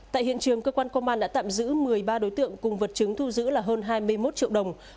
tại hiện trường cơ quan công an đã tạm giữ một mươi ba đối tượng cùng vật chứng thu giữ là hơn hai mươi một triệu đồng